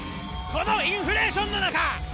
このインフレーションの中